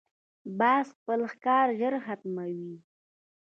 باز خپل ښکار ژر ختموي